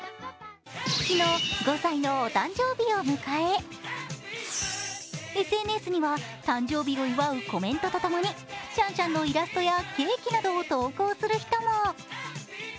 昨日、５歳のお誕生日を迎えＳＮＳには誕生日を祝うコメントとともにシャンシャンのイラストやケーキなどを投稿する人も。